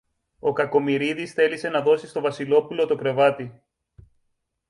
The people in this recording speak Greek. Ο Κακομοιρίδης θέλησε να δώσει στο Βασιλόπουλο το κρεβάτι.